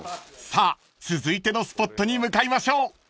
［さあ続いてのスポットに向かいましょう］